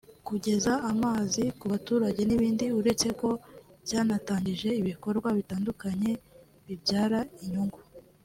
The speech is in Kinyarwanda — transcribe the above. kugeza amazi ku baturage n’ibindi uretse ko cyanatangije ibikorwa bitandukanye bibyara inyungu